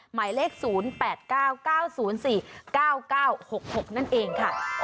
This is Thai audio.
หมายเลข๐๘๙๙๐๔๙๙๖๖นั่นเองค่ะ